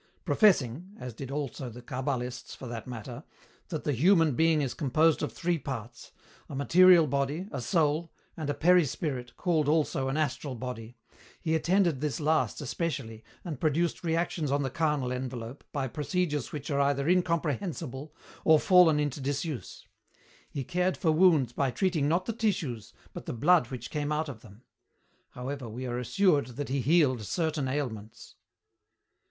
Professing as did also the cabalists, for that matter that the human being is composed of three parts, a material body, a soul, and a perispirit called also an astral body, he attended this last especially and produced reactions on the carnal envelope by procedures which are either incomprehensible or fallen into disuse. He cared for wounds by treating not the tissues, but the blood which came out of them. However, we are assured that he healed certain ailments."